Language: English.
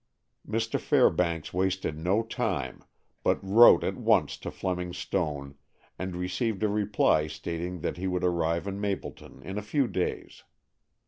Mr. Fairbanks wasted no time, but wrote at once to Fleming Stone, and received a reply stating that he would arrive in Mapleton in a few days.